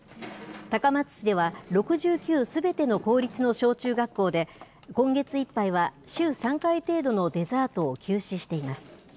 高松市では、６９すべての公立の小中学校で、今月いっぱいは週３回程度のデザートを休止しています。